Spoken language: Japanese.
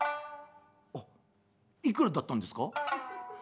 「あいくらだったんですか？」。